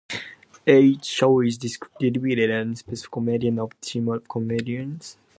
Each show is dedicated to a specific comedian or team of comedians.